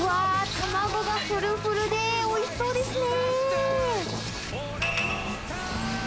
卵がフルフルで、おいしそうですね！